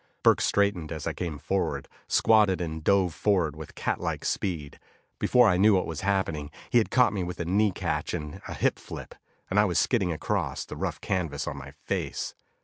Burke straightened as I came forward, squatted and drove forward with catlike speed. Before I knew what was happening, he had caught me with a knee catch and a hip flip, and I was skidding across the rough canvas on my face.